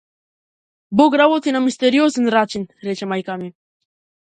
Бог работи на мистериозен начин, рече мајка ми.